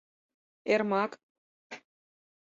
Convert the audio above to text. — Эрмак!